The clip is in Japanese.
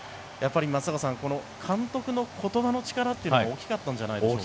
松坂さん監督の言葉の力というのは大きかったんじゃないでしょうか。